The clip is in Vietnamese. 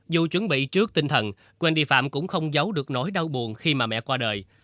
dù chuẩn bị trước tinh thần quên đi phạm cũng không giấu được nỗi đau buồn khi mà mẹ qua đời